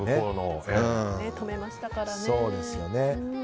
止めましたからね。